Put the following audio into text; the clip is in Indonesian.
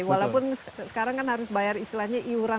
walaupun sekarang kan harus bayar istilahnya iuran